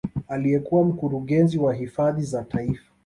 Aliyekuwa mkurugenzi wa hifadhi za taifa